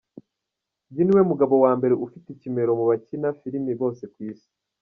Uyu niwe mugabo wa mbere ufite ikimero mu bakina filimi bose ku isi.